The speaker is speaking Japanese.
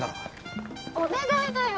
お願いだよ。